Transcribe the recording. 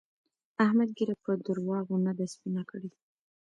احمد ږيره په درواغو نه ده سپينه کړې.